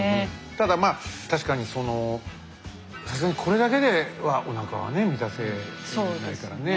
ただまあ確かにそのさすがにこれだけではおなかはね満たせないからね。